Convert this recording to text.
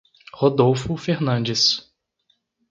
Rodolfo Fernandes